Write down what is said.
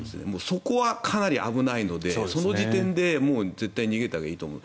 そこはかなり危ないのでその時点で絶対逃げたほうがいいと思う。